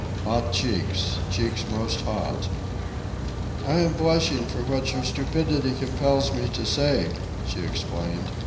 "Hot cheeks—cheeks most hot." "I am blushing for what your stupidity compels me to say," she explained.